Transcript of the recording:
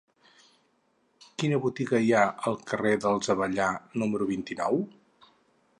Quina botiga hi ha al carrer dels Avellà número vint-i-nou?